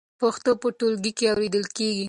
پښتو په ټولګي کې اورېدل کېږي.